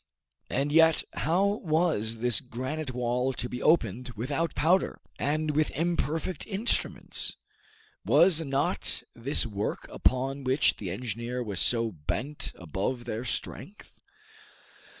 And yet, how was this granite wall to be opened without powder, and with imperfect instruments? Was not this work upon which the engineer was so bent above their strength?